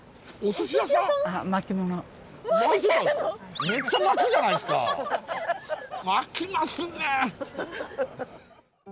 巻きますね。